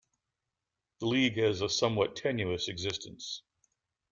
The league has a somewhat tenuous existence.